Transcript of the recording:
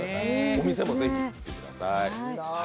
お店もぜひ、行ってください。